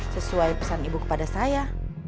sesuai pesan ibu kepada saya